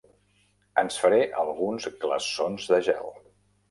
ENS FARÉ ALGUNS GLAÇONS DE GEL.